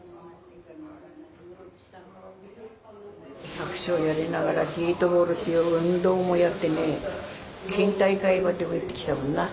百姓やりながらゲートボールっていう運動もやってね県大会までも行ってきたもんな。